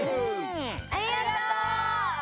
ありがとう！